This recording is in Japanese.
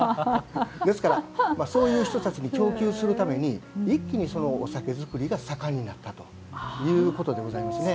ですからそういう人たちに供給するために一気にお酒造りが盛んになったということでございますね。